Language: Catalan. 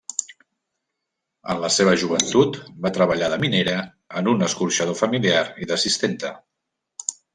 En la seva joventut va treballar de minera, en un escorxador familiar i d'assistenta.